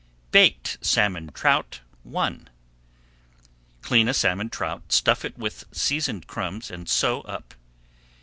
BAKED SALMON TROUT I Clean a salmon trout, stuff it with seasoned crumbs, and sew up.